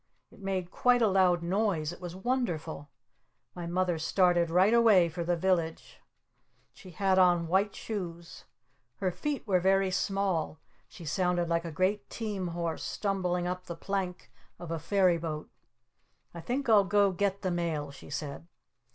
It made quite a loud noise! It was wonderful! My Mother started right away for the village. She had on white shoes. Her feet were very small. She sounded like a great team horse stumbling up the plank of a ferry boat. "I think I'll go get the mail!" she said.